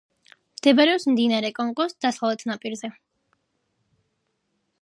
მდებარეობს მდინარე კონგოს დასავლეთ ნაპირზე.